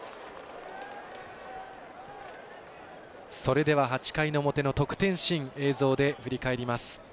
それでは、８回の表の得点シーン映像で振り返ります。